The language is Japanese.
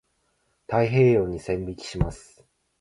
太平洋に線引きます。